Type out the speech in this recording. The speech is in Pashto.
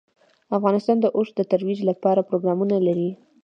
افغانستان د اوښ د ترویج لپاره پروګرامونه لري.